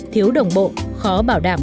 thiếu đồng bộ khó bảo đảm